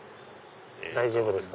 大丈夫ですか？